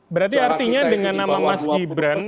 berarti artinya dengan nama mas gibran